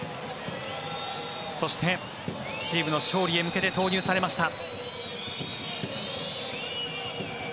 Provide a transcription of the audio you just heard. そして、チームの勝利へ向けて投入されました。